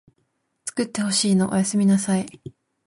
つくってほしいのおやすみなさい